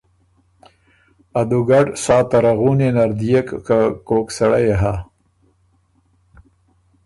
که ا دُوګډ سا تَرَغُونيې نر دئېک که کوک سړئ يې هۀ۔